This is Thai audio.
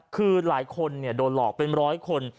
คือหลายคนเนี่ยโดนหลอกเป็น๑๐๐คน